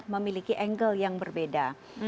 memiliki angle yang berbeda